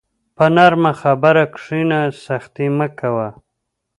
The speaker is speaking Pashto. په نرمه خبره کښېنه، سختي مه کوه.